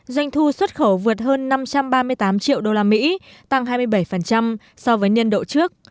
doanh thu xuất khẩu vượt hơn năm trăm ba mươi tám triệu usd tăng hai mươi bảy so với niên độ trước